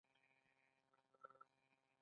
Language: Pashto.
دولت په دې وخت کې سخت قوانین وضع کړل